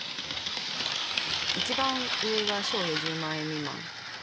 一番上が「賞与１０万円未満」。